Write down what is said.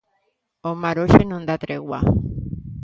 O mar hoxe non dá tregua.